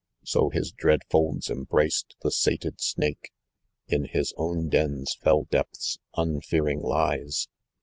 " So, his dread folds unbraced, the sated snake In his own den's fell depths, unfearing lies